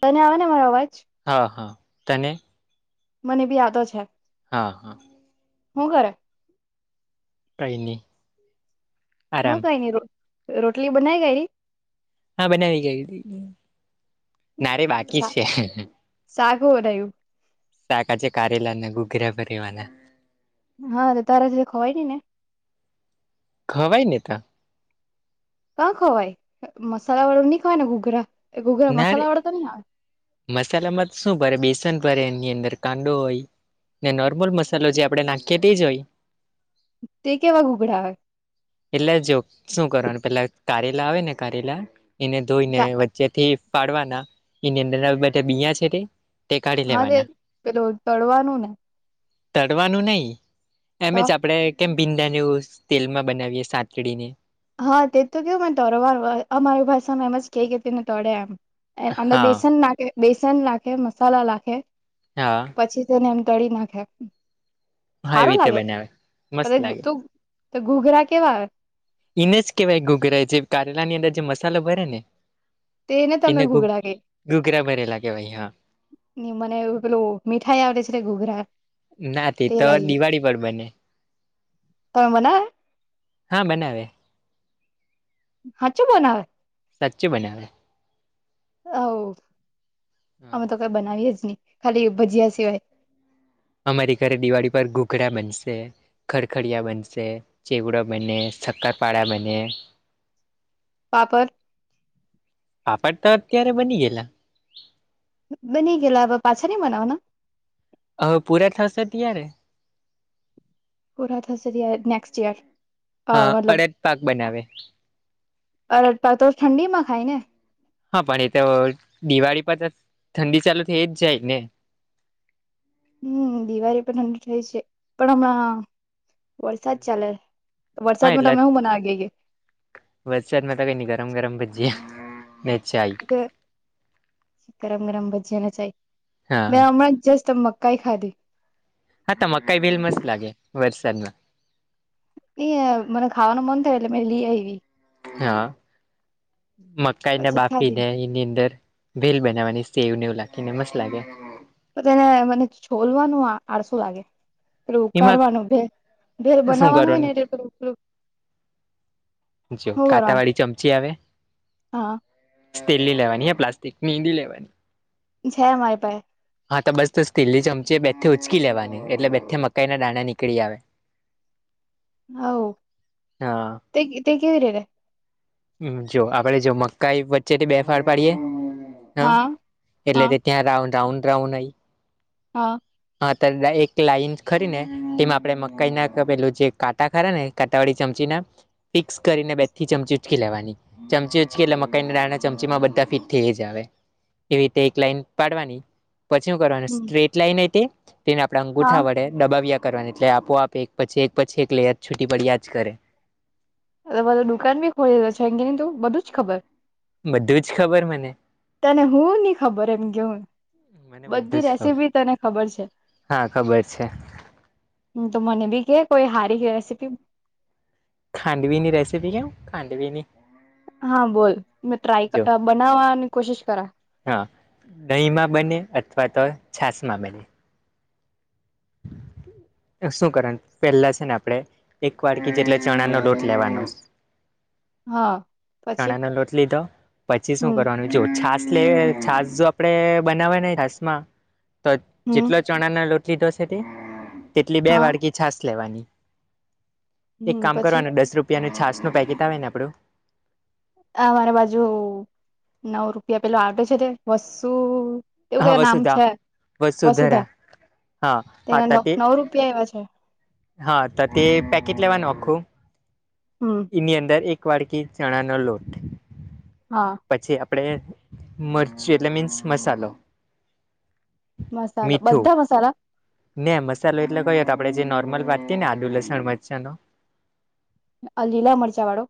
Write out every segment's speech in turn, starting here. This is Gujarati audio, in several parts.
તને આવે ને મારો અવાજ? હા હા, તને? મને બી યાદો છે. હા હા. હું કરે કંઈની હું કઈ ની રો રોટલી બનાય કાઈડી. હા બનાવી કાઇડી. ના રે બાકી શા- છે હ હ. શાક બનાયું સાકા છે કારેલા ને ગુગરા ભરેવાના. હા તો તારા થી જે ખવાય ની ને ખવાય ને તા. કા ખવાય મસાલા વાળો નહી ખવાય ને ઘોઘરા ઘૂઘરા નારે મસાલા વાળો તો નહી આવે મસાલામાં શું ભરે બેસન ભરે એની અંદર કાંદો હોય ને નોર્મલ મસાલો જે આપણે નાખીએ તે જ હોય. તે કેવા ઘૂઘડા હોય. એટલે જો શું કરવાનું પેલા કારેલા આવે ને કારેલા એને ધોઈને તા- વચ્ચે થી ફાળવાના એની અંદર બધા બીયા છે તે તે કાઢી હા તે લેવાના પેલું તળવાનું ને તડવાનું નય એમ તો જ આપણે કેમ ભીંડા તેલમાં બનાવીયે સાતડીને હા તે તો કેવું મને તરવાર અમારી ભાષામાં એમ જ કઈ તેને તડે એમ એ અંદર હા બેસન નાખે બેસન નાખે મસલા નાખે હા. પછી તેને એમ તળી નાખે હા એવી હારું રીતે લાગે બનાવે મસ્ત લાગે તો ઘૂઘરા કેવા આવે એને જ કેવાય ઘૂઘરા જે કારેલા ની અંદર જે મસાલો ભરે ને તેને તમે એને ઘૂઘરા કે ઘૂઘરા ભરેલા કેવાય અહીંયા. મને એવુ પેલું મીઠાઈ આવ તે છે એટલે ઘુઘરા ના તે તો દિવાળી પર બને તમે બનાવે હા બનાવે. હાચુ બનાવે હાચુ બનાવે હ હા, અમે તો કઈ બનાવી જ નહી ખાલી ભજીયા સિવાય અમારી ઘરે દિવાળી પર ઘૂઘડા બનશે. ખરખડીયા બનશે ચેવડાો બને શક્કરપાડાા બને. પાપડ પાાપડ તો અત્યારે બની ગયેલા બની ગેલા હવે પાછા ની બનાવાના હવે પૂરા થશે ત્યારે પૂરા થશે નેક્સ્ટ યર હા મતલબ અડદ પાક બનાવે. અડદ પાક તો ઠંડીમાં ખાય ને હા પણ એ તો દિવાળી પરતો ઠંડી ચાલુ થઈ જ જાય ને. હમ દિવાળી પણ ઠંડી થઈ છે પણ હમણાં વરસાદ ચાલે વરસાદમાં તમે શું મનાવે વરસાદ માં તો કઈ ની ગરમ ગરમ ભજીયા વેચાઈ ગરમ ગરમ ભજીયાને ચાય મે હા હમણાં જસ્ટ મ કાઈ ખાધી હા તો મકાઈ ભેલ મસ્ત લાગે વરસાદમાં. એ મને ખાવાનું મન થયો એટલે મે લઈ આવી. હા મકાઈ ને પછી બાફી ખાધી ને એની અંદર ભેલ બનાવાની સેવ ને એવું લાખીને મસ્ત લાગે. તો તેને મને છોલવાનું આડસું લાગે. પેલું એમાં ઉકારવાનું ભે ભેલ શું બનાવવાનું હોય ને કરવાનું એટલે પલું પેલું જો હું કાંટા કરવાનું વાળી ચમચી આવે હા સ્ટીલની લેવાની પ્લાસ્ટિક ની લેવાની. છે માય પાહે હા તો બસ તો સ્ટીલની ચમચી એ બેથી ઉચકી લેવાની એટલે બેથી મકાઈ ના દાણા નીકળી આવે. હવ હા તે તે કેવી રીતે હમ જો આપડે જો મકાઈ વચ્ચેથી બેફાર પાડીએ. ના હા એટલે હા કે ત્યાં રાઉ રાઉન્ડ રાઉન્ડ આઈ હા. હા ત એક તે લાઈન ખરી ને તેમાં આપડે મકાઈ ના પેલું જે કાંટા ખરા ને કાટાવાળી ચમચી ના ફિક્સ કરીને બેથી ચમચી ઉચકી લેવાની. ચમચી ઉચકી એટલે મકાઈના દાણા ચમચી માં બધા ફીટ થઈ જ આવે. એવી રીતે એક લાઈન પાડવાની પછી હું કરવાની હમ સ્ટ્રેટ લાઈન હતી તેને આપડે હા અંગુઠા વડે દબાવ્યા કરવાની એટલે આપો આપે એક પછી એક પછી એક લે યાર છૂટી પડ્યા જ કરે. એટલે બધું દુકાન બી ખોઈ લો છે એમ કે ની તું બધું જ ખબર. બધું જ ખબર મને. તને હું ની ખબર એમ કે હું. મને બધું બધી જ ખબર રેસીપી તને ખબર છે. હા ખબર છે હું તો મને ભી કે કોઈ હારી રેસીપી. ખાંડવી ની રેસીપી કેવું ખંડવી ની. હા બોલ મેં જો ટ્રાય બનાવાની કોશિશ કરા. હા દહીંમાં બને અથવા તો છાસ માં બને. [inaudible] તો શું કરવાનું પહેલા છે ને આપડે એક વાડકી જેટલા ચણા નો લોટ લેવાનો હા પછી ચણા નો લોટ લીધો પછી શું હમ કરવાની જો છાશ લે છાશ જો આપણે બનાવવાને છાશમાં તો હમ જેટલો ચણાના લોટ લીધો છે તે તેટલી બે હા વાડકી છાશ લેવાની. એક હમ કામ પછી કરવાનું દસ રૂપિયાનું છાસ નું પેકેટ આવે ને આપણું આ મારે બાજુ નવ રૂપિયા પેલો આવતો છે તે વસ્તુ એવું હા કઈ નામ વસુધા છે વસુધરા વસુધા હા હા તેના ન ત તે નવ રૂપિયા એવા છે. હા તો તે પેકેટ લેવાનું આખું હમ્મ. એની અંદર એક વાડકી ચણાનો લોટ. હા. પછી આપડે મરચું એટલે મીન્સ મસાલો મસાાલો મીઠું બધા મસાલા. ને મસાલો એટલે કયો તો આપણે જે નોર્મલ વાંતીને આદુ લસણ મરચાનો. આ લીલા મરચાં વાળો?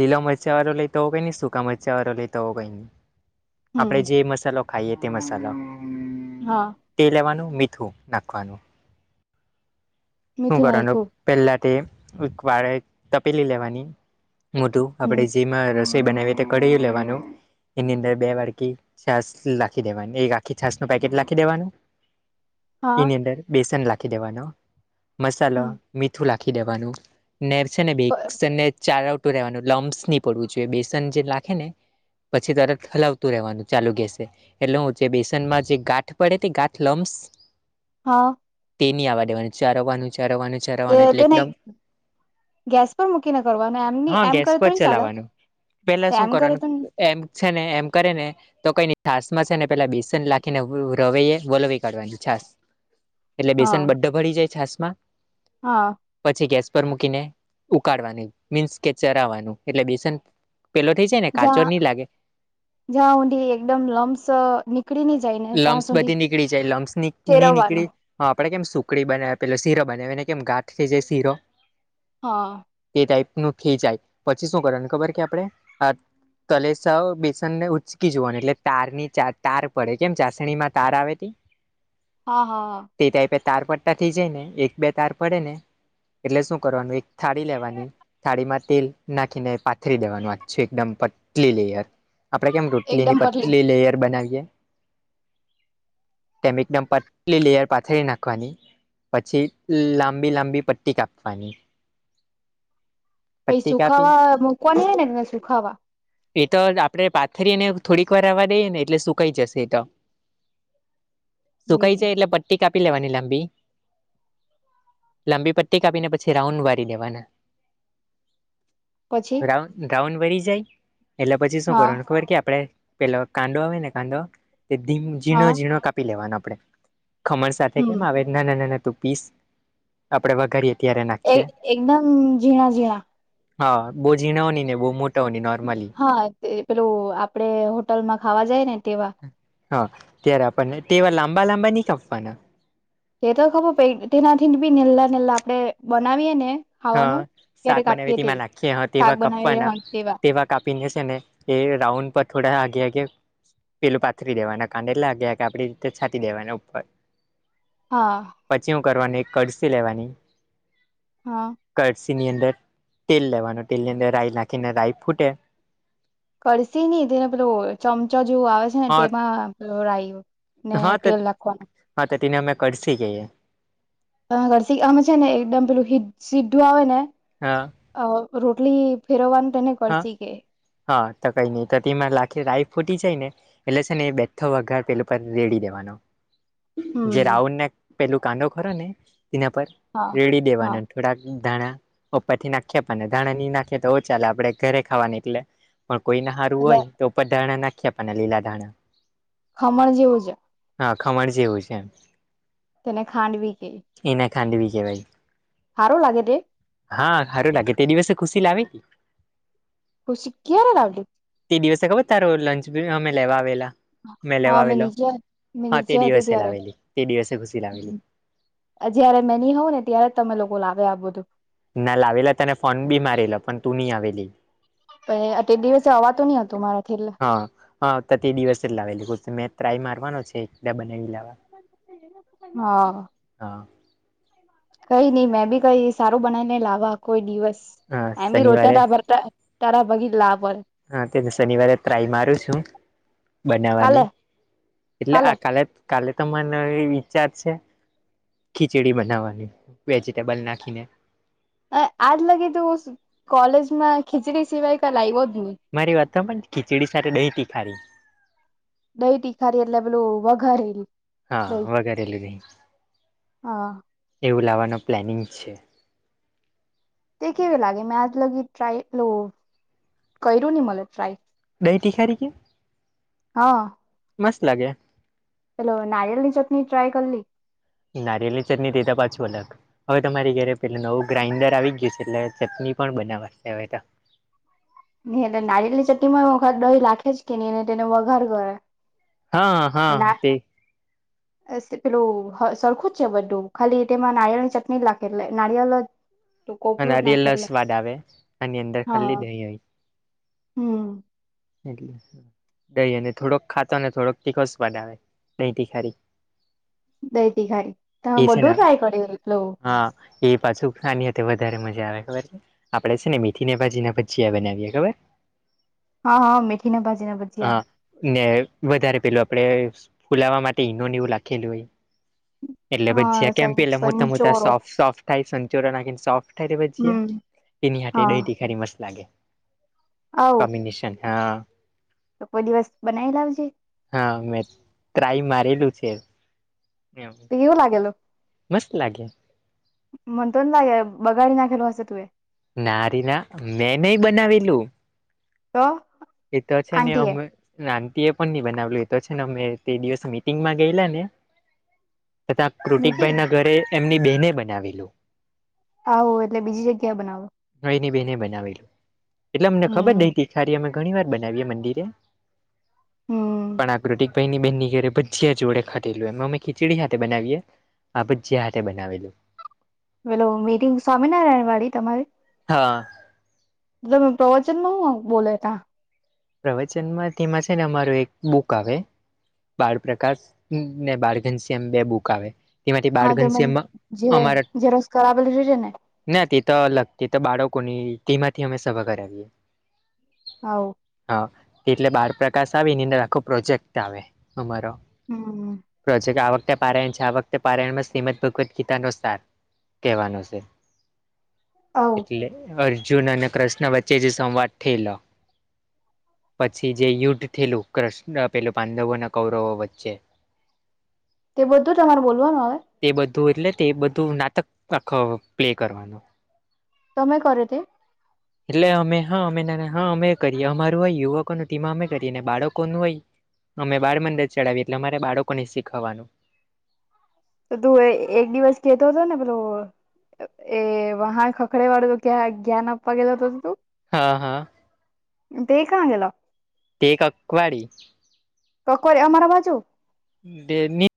લીલા મરચાવાળો લેતા હોય તો હો કઈનઈ સૂકા મરચાવાળો લેતા હોય તો હો કઈનઈ. હમ આપડે જે મસાલો ખાઈએ તે મસાલા. હા. તે લેવાનું મીઠું નાખવાનું. શું મીઠું કરવાનું નાયખું પહેલા તે એક વાળે તપેલી લેવાની મોધું હમ આપણેે જેમાં રસોઈ બનાવીએ તે કળી લેવાનું એની અંદર બે વાટકી છાશ લાખી દેવાની એક આખી છાશ નું પેકેટ લાખી દેવાની. [inaudible] એની અંદર બેસન લાખી દેવાનો હમ મસાલા મીઠું લાખી દેવાનું નેર છે ને બેસનને ચારા ઉટું રહેવાનું લમ્સ ની પડવું જેવી બેસન જે લાખે ને પછી તારે ફલાવતું રહેવાનું ચાલુ ગસે. એટલે જે બેસનમાં જે ગાંઠ પડે તે ગાંઠ લમ્સ. હા હા. તે ની આવવા દેવાનું ચારવાનું ચારવાનું તે ચારવાનું એટલે તેને એકદમ ગેસ પર મૂકીને કરવાનું એમની હા એમ કરે ગેસ પર તો ની ચાલે? ચલાવવાનું પેલા શું એમ કરે કરવાનું તો એમ છે ને એમ કરે ને તો કઈનઈ છાશમાં છે ને પેલા બેસન લાખીને રવે વલવી કાઢવાની છાશ. [inaudible] એટલે બેસન બધા ભરી જાય છાશમાં. હા. પછી ગેસ પર મૂકીને ઉકાળવાનું, મીન્સ કે ચરાવાનું એટલે બેસન પેલો થઈ જાય નેાચો જ્યાં નની લાગે. જ્યાં ઉંડી એકદમ લમ્સ પકડીની જઇ. લમ્સ બધી નીકળી જાય લમ્સ ની ની નીકળી ફેરવવાનું હા આપડે કેમ સુકડી બનાવી પેલો શીરો બનાવી ને કેમ ગાંઠ થઈ જાય શીરો. હા. તે ટાઈપનું થઈ જાય પછી શું કરવા ખબર કે આપણે કલેશવ બેસન ને ઉચકી જોવાનું એટલે તાર ની ચ તાર પડે. કેમ ચાસણી માં તાર આવે ત. હા હા. તે ટાઈપે તાર પડતા થઈ જાય ને એક બે તાર પડે ને. એટલે શું કરવાનું એક થાળી લેવાની. થાળીમાં તેલ નાખીને પાથરી દેવાનું વાત છે એકદમ પટલી લેયર. આપડે કેમ રોટલી ની પતલી લેયર બનાવીયએ. તેમ એકદમ પટલી લેયર પાથડી નાખવાની. પછી લાંબી લાંબી પટ્ટી કાપવાની. પાહિ પટ્ટી કાપી સુખાવા મુકવાની હોય ને એ ને સુખાવા. એ તો આપડે પાથરીને થોડીક વાર રાવ દઈએ ને એટલે સુકાઈ જશે. તો સુકાઈ હમ. જાય એટલે પટ્ટી કાપી લેવાની લાંબી. લાંબી પટ્ટી કાપીને પછી રાઉન્ડ વારી દેવાના. પછી રાઉ રાઉન્ડ વરી જાય એટલે પછી શું હા કરવાનું ખબર કે આપડે પેલો કાંદો આવે ને કાંદો એી ઝીણો હા ઝીણો કાપી લેવાનો આપણે. ખમણ સાથે હમ કેમ આવે નાના નાના તું પીસ આપડે વઘારીએ ત્યારે એક નાખીએ એકદમ ઝીણા ઝીણા. હા બહુ ઝીણાઓની ને બહુ મોટાઓની નોર્મલી. હા તે પેલું આપડે હોટલમાં ખાવા જાય ને તેવા. હા ત્યારે આપણને તેવાર લાંબા લાંબા નહી કાપવાના. તે તો ખબર પ તેનાથી બી નીલા નીલા આપડે બનાવીએ ને. હા ખાવાનું ત્યારે શાક કાપીએ બનાવીથી તે નાખીએ હ શાક તેવા બનાવી કપવાના હ તેવા. કાપીને છે ને એ રાઉન્ડ પર થોડા આગે આગે પેલું પાથરી દવાના કાડ એટલે લાગ્યા કે આપડી રીતે છાંટી દેવાના ઉપર. હા. પછી હું કરવાની એક કડસી લેવાની હા. કળસી ની અંદર તેલ લેવાનું તેલ ની અંદર રાય નાખીને રાઈ ફૂટે કરશે ને તેને પેલો ચમચો જેવું આવે છે ને હા તેમાં પેલું હા તો હા તો તેને અમે કડસી કહીએ. [unintelligible] અમે છે ને એકદમ પેલું સીધું આવે ને હા. અ રોટલી ફેરવવાનું તેને હા કડશી કે. હા તો કઈ નહીં તો તેમાં લાખી રાઈ ફૂટી જાય ને? એટલે છે ને એ બેથો વગાર પેલું રેડી દેવાનો. જે હમ રાઉડ ના પેલું કાંદો ખરો ને તેના પર હા રેડી હા દેવાનો. થોડાક ધાણા ઉપર થી નાખી પણ ને ધાણા નહી નાખીએ તો ચાલે આપણેે ઘરે ખાવાની એટલે પણ કોઈ ના સારું એટલે હોય તો ઉપર ધાણા નાખી આપને લીલા ધાણા. ખમણ જેવું જ. હા ખમણ જેવું જ એમ. તેને ખાંડવી કે. એને ખાંડવી કેહેવાય. હારો લાગે? હા સારું લાગે તે દિવસે ખુશી લાવી. ખુશી ક્યારે લાવી? તે દિવસે ખબર તારો લંચ અમે લેવા આવેલા. મેં હા લેવાવેલો નીચે મેં હા તે નીચે હતી દિવસે ત્યારે લાવેલી તે દિવસે ઘુસી લાવેલી. જયારે મેની હોઉં ને ત્યારે જ તમે લોકો લાગે આવું બધું. ના લાવેલા તને ફોન બી મારેલો પણ તું નહી આવેલી. પણ તે દિવસે આવવાતું નહી હતું મારા એટલે. હા હા તો તે દિવસે જ લાવે લું મે ટ્રાય મારવાનો છે બનાવી લાવવા. હા. હા. કઈ નઈ મેં બી કઈ સારું બનાવીને લાવવા કોઈ દિવસ હા એમ બી રોતા ત શનિવારે ભરતા. તારા બગીલા પર. હા તેને શનિવારે ટ્રાય મારું છું કાલે બનાવવાની. એટલે આ કાલે કાલે તો મને એ વિચાર છે. ખીચડી બનાવવાની વેજીિટેબલ નાખીને. આજ લાગી તું કોલેજમાં ખીચડી સિવાય કઈ લાવ્યો જ નહી. મારી વાત તો પણ ખીચડી સાથે દહી તિખારી દહી તીખારી એટલે પેલું વઘારે? હા વગેરે હા એવું લાવવાનું પ્લાનિંગ છે. તે કેવી લાગે મે આજ લગી ટ્રાય લો કર્યું મ ટ્રાય દહી તિખારી કે મસ્ત લાગે ચેલો નારિયલ ની ચટણી ટ્રાય કરી. નારિયલી ચટણી દેતા પાંચુ અલક હવે તમારી ઘરે પેલું નવું ગ્રાઇન્ડર આવી જ ગયું છે એટલે ચટણી પણ બનાવાશે હવે તો એટલે નારિેની ચટણી વખાત દહી લખે જ કે નહીને તેને વઘાર કરે. હા. ના હા તે ના. પેલું સરખું જ છે બધું ખાલી તેમાં નારિયળ ની ચટણી લખે નારિયળ જ અને કોપરું જ નાખે એટલે અરિયલસવાદ આવે આની અંદર ખલ્લી હા દહીંય. હમ. એટલે દહી અને થોડોક ખાતો અને થોડોક તીખો સ્વાદ આવે દહીં તીખારી દઈતી ખાઈ તમે એ છે ને બધું ટ્રાય કર્યું એટલ હા. એ પાછું ખાનીઅ વધારે મજા આવે ખબર છે. આપડે છે ને મીથી ભાજી ના ભજીયા બનાવીએ ખબર હા હા મીથી ની બાજી ના ભજીયા હા ને વધારે પેલું આપડે ફુલાવા માટે ઈનો એવું લાખેલું હોય. એટલે ભજીયા હા કેમ સં પેલા મોટા મોટા સંચોરો સોફ્ટ સોફ્ટ થાય સચોરન નાખીને સોફ્ટ થાય ભજીયા. હમ તેની હાથે હા દહીટીખારી મસ્ત લાગે આવ કોમ્બિનેશન હા તો કોઈ દિવસત બનાવી લાવજે. હા મેં ત્રાય મારેલું છે. એવ. તો કેવું લાગેલું. મસ્ત લાગે. મનતો ના બગાડી નાખેલો હશે તુ એ નારી ના મેં નહ બનાવેલું. તો. એ તો છે ને આંટી એ અમે નાંતી એ પણ નહી બનાવલું તો છે ને અમે તે દિવસ મીટિંગમાં ગયેલા ને તથા કૃતિક મીટી ભાઈ ના ઘરે એમની બેહેને બનાવેલું. આવું એટલે બીજી જગ્યાએ બનાવું હ એની બેને બનાવેલું એટલે અમને ખબર હમ [unintelligible] સારી અમે ઘણી વાર બનાવીએ મંદિરે હમ પણ આકૃતિ પની બેનની ઘરે ભજીયા જોડે ખટેલું એમ ખીચડી સાથે બનાવીએ. આ ભજિયા હાથે બનાવેલું. પેલો મીટિંગ સ્વામિનારાયણ વાળી તમારી હા. ત પ્રવચન ન શુ બોલે તા પ્રવચનમાં તેમાં છે ને અમારું એક બુક આવે બાળપ્રકાશ ને બાળ ઘનશ્યામ એમ બે બુક આવે તેમાંથી બાળ હા તો મને ઘનશ્યામમાં જે અમારા જે રોકજગ આવેેલું છે છે ને ના તે તો અલગ તે તો બાળકોની તેમાંથી અમે સભા કરાવીએ. હ હા એટલે બાર પ્રકાશ આવી ની અંદર આખો પ્રોજેક્ટ આવે અમારો હમ. પ્રોજેક્ટ આ વખતે પારાયણ છે આ વખતે પારણ મા શ્રીમદ્ ભગવદ્ ગીતા નો સાર કહેવાનું છે. આવું એટલે અર્જુન અને કૃષ્ણ વચ્ચે જે સંવાદ થયેલો પછી જે યુદ્ધ થયલું કૃષ્ણ પેલું પાડવોના કૌરવો વચ્ચે. તે બધું તમારે બોલવાનું આવે તે બધું એટલે તે બધું નાટક પ્લે કરવાનું તમે કર તે એટલે અમે હા અમે હા અમે કરીએ અમારું હોય યુવકોનું ટીમ અમે કરીએ બાળકો નુ હોય અમે બાળ મંદિર ચડાવીએ એટલે અમારે બાળકો ને શીખવવાનું તો તું એક દિવસ કેતો હતો ને પેલો એ વહા ખખડ વાળું તો ક્યાં જ્ઞાન આપવા ગેલો હતો તું હા હા તે કા ગેલો તે એકકવાદી તો કોરી અમારા બાજુ ડેની